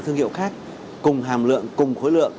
thương hiệu khác cùng hàm lượng cùng khối lượng